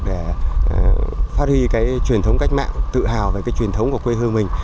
để phát huy cái truyền thống cách mạng tự hào về cái truyền thống của quê hương mình